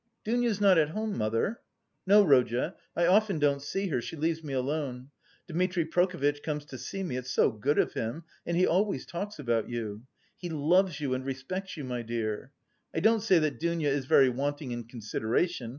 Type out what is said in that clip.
"Dounia's not at home, mother?" "No, Rodya. I often don't see her; she leaves me alone. Dmitri Prokofitch comes to see me, it's so good of him, and he always talks about you. He loves you and respects you, my dear. I don't say that Dounia is very wanting in consideration.